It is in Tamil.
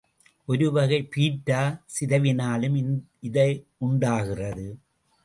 ஒரு வகைப் பீட்டா சிதைவினாலும் இது உண்டாகிறது.